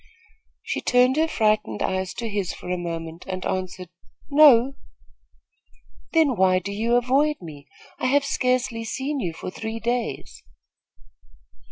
She turned her frightened eyes to his for a moment and answered: "No." "Then why do you avoid me? I have scarcely seen you for three days."